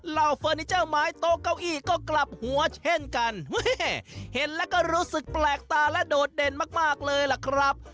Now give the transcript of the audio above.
เฟอร์นิเจอร์ไม้โต๊ะเก้าอี้ก็กลับหัวเช่นกันเห็นแล้วก็รู้สึกแปลกตาและโดดเด่นมากมากเลยล่ะครับ